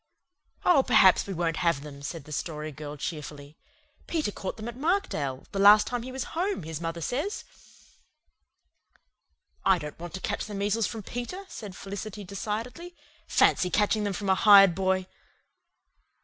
"Oh, perhaps we won't have them," said the Story Girl cheerfully. "Peter caught them at Markdale, the last time he was home, his mother says." "I don't want to catch the measles from Peter," said Felicity decidedly. "Fancy catching them from a hired boy!"